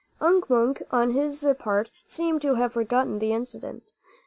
Unk Wunk, on his part, seemed to have forgotten the incident.